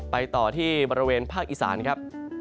ไปต่อที่บริเวณภาคอีสานครับ